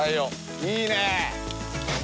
いいね！